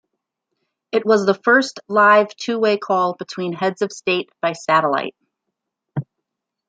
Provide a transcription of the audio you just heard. It was the first live two-way call between heads of state by satellite.